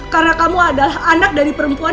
karena kamu adalah anak dari perempuan